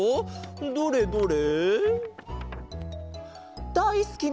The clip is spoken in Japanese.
どれどれ？